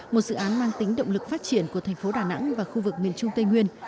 một dự án mang tính động lực phát triển của thành phố đà nẵng và khu vực miền trung tây nguyên